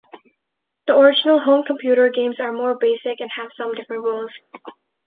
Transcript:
The original home computer games are more basic and have some different rules.